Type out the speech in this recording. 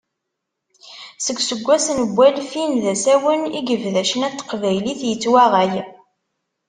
Seg iseggasen n walfin d asawen i yebda ccna n teqbaylit yettwaɣay.